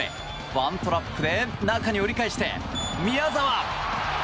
ワントラップで折り返して宮澤。